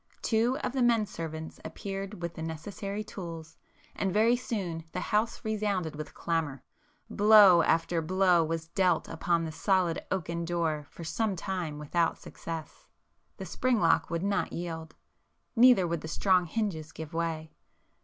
Two of the men servants appeared with the necessary tools, and very soon the house resounded with clamour,—blow after blow was dealt upon the solid oaken door for some time without success,—the spring lock would not yield,—neither would the strong hinges give way.